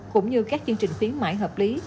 cũng như các chương trình khuyến mãi hợp lý